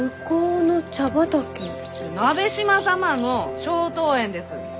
鍋島様の松濤園です。